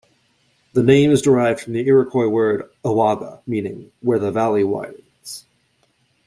The name is derived from the Iroquois word "Ahwaga", meaning "where the valley widens.